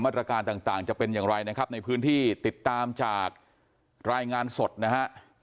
ตรการต่างจะเป็นอย่างไรนะครับในพื้นที่ติดตามจากรายงานสดนะฮะ